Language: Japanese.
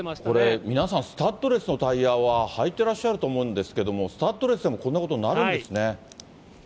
これ、皆さん、スタッドレスのタイヤははいてらっしゃると思うんですけれども、スタッドレスでもこんなことになるんですね。